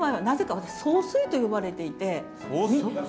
峰総帥って呼ばれていて。